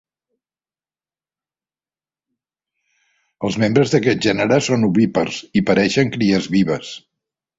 Els membres d'aquest gènere són ovípars i pareixen cries vives.